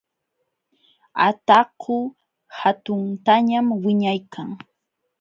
Ataku hatuntañam wiñaykan.